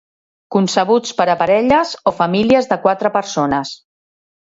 Concebuts per a parelles o famílies de quatre persones.